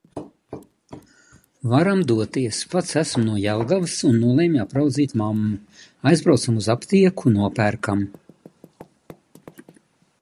Varam doties, pats esmu no Jelgavas un nolemju apraudzīt mammu. Aizbraucam uz aptieku, nopērkam.